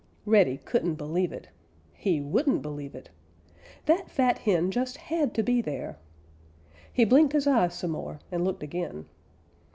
Reddy couldn't believe it. He wouldn't believe it. That fat hen just had to be there. He blinked his eyes some more and looked again.